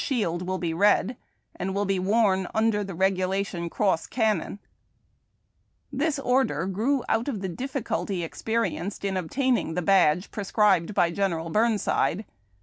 261 AN ORIGINAL NINTH CORPS B.iDGE. s'nield will be red, and will be worn under the regulation cross cannon." This order grew out of the difficulty experienced in obtaining the badge prescribed by General Burnside.